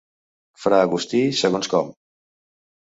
Fra Agustí, segons com.